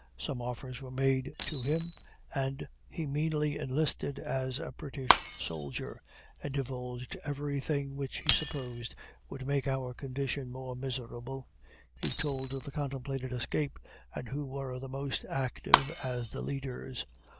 Some offers were made to him, and he meanly enlisted as a British soldier, and divulged every thing which he supposed would make our condition more miserable. He told of the contemplated escape, and who were the most active as the leaders.